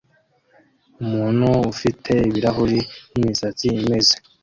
Umuntu ufite ibirahuri n'imisatsi imeze